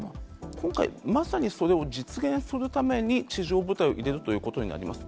今回、まさにそれを実現するために、地上部隊を入れるということになります。